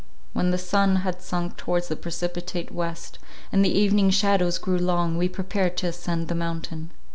When the sun had sunk towards the precipitate west, and the evening shadows grew long, we prepared to ascend the mountain.